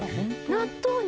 納豆に？